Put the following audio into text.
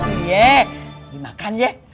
iya dimakan ya